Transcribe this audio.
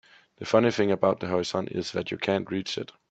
The funny thing about the horizon is that you can't reach it.